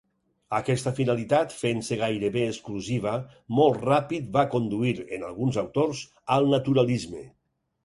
Aquesta finalitat, fent-se gairebé exclusiva, molt ràpid va conduir, en alguns autors, al Naturalisme.